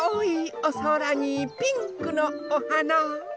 おそらにピンクのおはな。